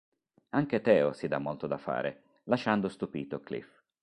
Anche Theo si dà molto da fare, lasciando stupito Cliff.